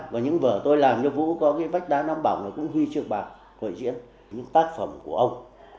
và những vở tôi làm cho vũ có cái vách đá năm bỏng là cũng huy trương vàng hội diễn những tác phẩm của ông